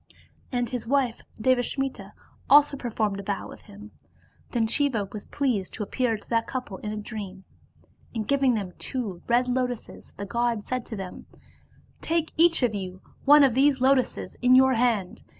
And his wife Devasmita also performed a vow with him; then Siva was pleased to appear to that couple in a dream ; and giving them two red lotuses the god said to them, "Take each of you one of these lotuses in your hand.